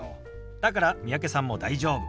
だから三宅さんも大丈夫。